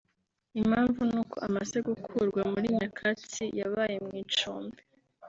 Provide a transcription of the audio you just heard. Impamvu ni uko amaze gukurwa muri nyakatsi yabaye mu icumbi